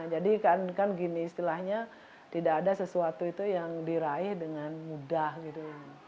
jadi kan gini istilahnya tidak ada sesuatu itu yang diraih dengan mudah gitu